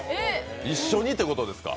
一緒にということですか？